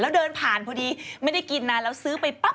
แล้วเดินผ่านพอดีไม่ได้กินนานแล้วซื้อไปปั๊บ